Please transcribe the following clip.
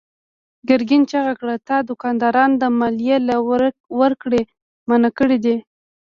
ګرګين چيغه کړه: تا دوکانداران د ماليې له ورکړې منع کړي دي.